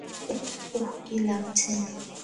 উফ, কী লাগছে!